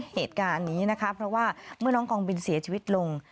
เหตุการณ์นี้นะคะเพราะว่าเมื่อน้องกองบินเสียชีวิตลง